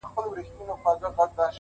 o پرون مي دومره اوښكي توى كړې گراني؛